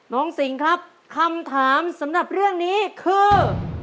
สิงครับคำถามสำหรับเรื่องนี้คือ